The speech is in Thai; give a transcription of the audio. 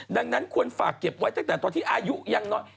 ดังนั้นควรฝากเก็บไว้ตั้งแต่ตอนที่อายุยังน้อย